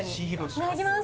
いただきます。